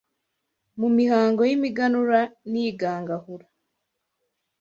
Mu mihango y’imiganura n’iy’igangahura